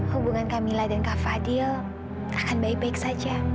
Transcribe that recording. hubungan kamila dan kak fadil akan baik baik saja